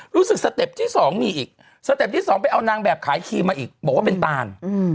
สเต็ปที่สองมีอีกสเต็ปที่สองไปเอานางแบบขายครีมมาอีกบอกว่าเป็นตาน